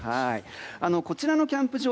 こちらのキャンプ場